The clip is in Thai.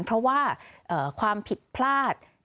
เพราะว่าความผิดพลาด